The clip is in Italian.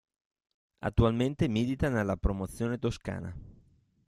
Attualmente milita nella Promozione Toscana.